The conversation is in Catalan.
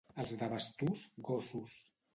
Els de Basturs, gossos.